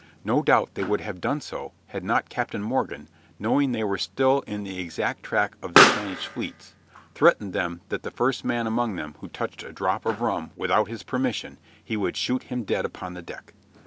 No doubt they would have done so had not Captain Morgan, knowing they were still in the exact track of the Spanish fleets, threatened them that the first man among them who touched a drop of rum without his permission he would shoot him dead upon the deck.